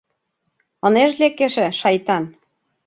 Ынеж лек эше, шайтан.